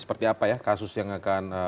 seperti apa ya kasus yang akan